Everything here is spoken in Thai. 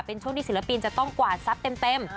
เป็นช่วงที่ศิลปินจะต้องกว่าซับเต็ม